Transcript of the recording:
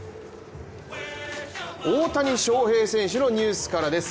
大谷翔平選手のニュースからです。